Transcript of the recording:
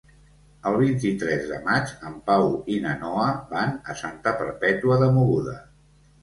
El vint-i-tres de maig en Pau i na Noa van a Santa Perpètua de Mogoda.